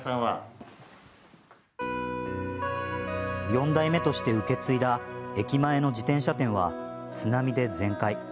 ４代目として受け継いだ駅前の自転車店は津波で全壊。